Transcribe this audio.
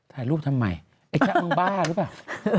ถ่ายรูปทำไมไอ้แค่มึงบ้าหรือเปล่า